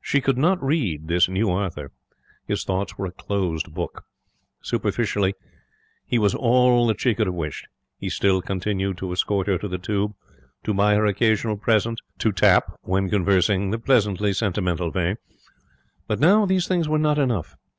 She could not read this new Arthur. His thoughts were a closed book. Superficially, he was all that she could have wished. He still continued to escort her to the Tube, to buy her occasional presents, to tap, when conversing, the pleasantly sentimental vein. But now these things were not enough.